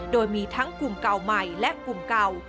โดยมีทั้งกลุ่มเก่าใหม่และกลุ่มเก่า